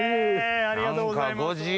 何か。